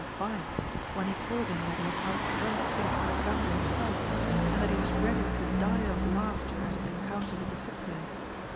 H9 of Bias, when he told him that he had out drunk Kins Alexander himself, and that he was ready to die of laugh ter at his encounter with the Cyprian.